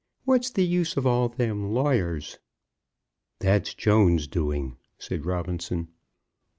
What's the use of all them lawyers?" "That's Jones's doing," said Robinson.